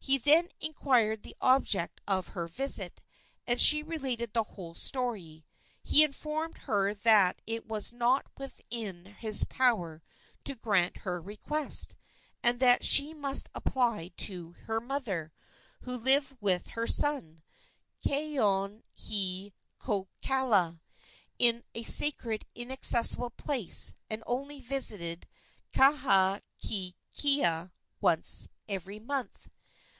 He then inquired the object of her visit, and she related the whole story. He informed her that it was not within his power to grant her request, and that she must apply to her mother, who lived with her son, Kaonohiokala, in a sacred, inaccessible place, and only visited Kahakaekaea once every month.